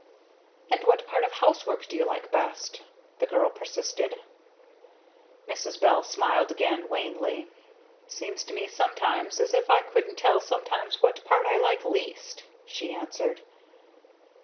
"And what part of housework do you like best?" the girl persisted. Mrs. Bell smiled again, wanly. "Seems to me sometimes as if I couldn't tell sometimes what part I like least!" she answered.